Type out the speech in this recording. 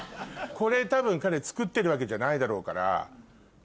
これ多分彼作ってるわけじゃないだろうから。